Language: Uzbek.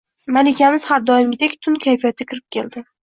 Malikamiz har doimgidek tund kayfiyatda kirib keldi